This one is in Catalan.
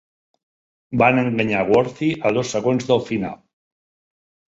Van enganyar Worthy a dos segons del final.